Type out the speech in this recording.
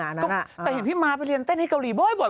แต่เห็นพี่ม้าไปเรียนเต้นให้เกาหลีบ่อย